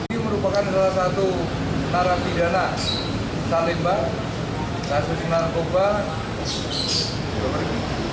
ini merupakan salah satu narapidana salemba